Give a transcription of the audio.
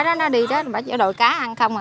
đội cá ăn không